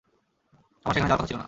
আমার সেখানে যাওয়ার কথা ছিল না।